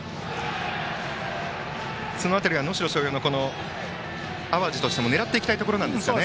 その辺りは能代松陽の淡路としても狙っていきたいところなんですね。